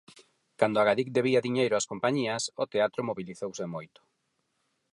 Cando Agadic debía diñeiro ás compañías o teatro mobilizouse moito.